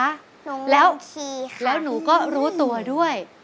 น้องน้องคีค่ะน้องน้องคีค่ะแล้วหนูก็รู้ตัวด้วย